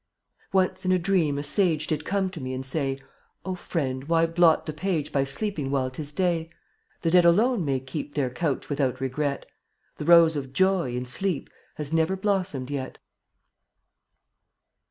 Once in a dream a sage Did come to me and say: O Friend! why blot the page By sleeping while 'tis day? The dead alone may keep Their couch without regret; The Rose of Joy, in sleep, Has never blossomed yet.